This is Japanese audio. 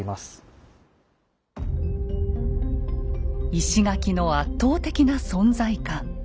石垣の圧倒的な存在感。